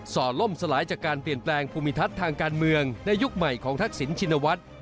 ่อล่มสลายจากการเปลี่ยนแปลงภูมิทัศน์ทางการเมืองในยุคใหม่ของทักษิณชินวัฒน์